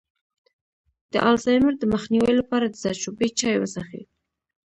د الزایمر د مخنیوي لپاره د زردچوبې چای وڅښئ